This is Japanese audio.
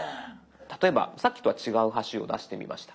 例えばさっきとは違う橋を出してみました。